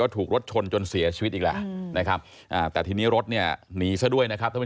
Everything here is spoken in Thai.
ถูกรถชนจนเสียชีวิตอีกแต่นี่รถหนีซะด้วย